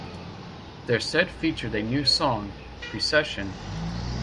Their set featured a new song, "Precession".